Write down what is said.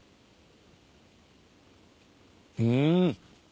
うん。